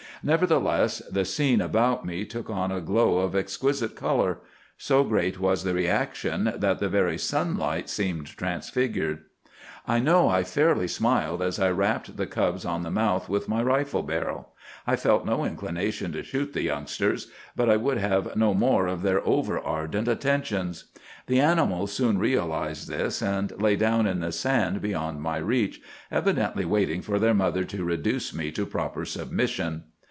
Nevertheless, the scene about me took on a glow of exquisite color. So great was the reaction that the very sunlight seemed transfigured. "'I know I fairly smiled as I rapped the cubs on the mouth with my rifle barrel. I felt no inclination to shoot the youngsters, but I would have no more of their over ardent attentions. The animals soon realized this, and lay down in the sand beyond my reach, evidently waiting for their mother to reduce me to proper submission.